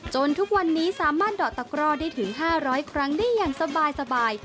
ทุกวันนี้สามารถดอดตะกร่อได้ถึง๕๐๐ครั้งได้อย่างสบาย